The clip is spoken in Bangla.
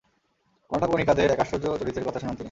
কোয়ান্টাম কণিকাদের এক আশ্চর্য চরিত্রের কথা শোনান তিনি।